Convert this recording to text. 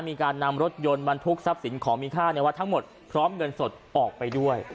มีการนำรถยนต์บรรทุกทรัพย์สินของมีค่าในวัดทั้งหมดพร้อมเงินสดออกไปด้วย